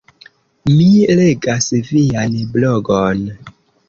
Mi legas vian blogon